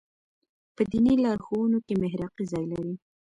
په دیني لارښوونو کې محراقي ځای لري.